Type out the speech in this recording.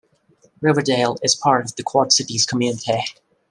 Riverdale is part of the Quad-Cities community.